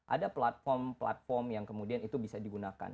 ada platform platform yang kemudian itu bisa digunakan